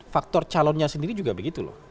faktor calonnya sendiri juga begitu loh